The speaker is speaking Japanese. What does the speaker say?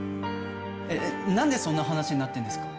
なんでそんな話になってるんですか？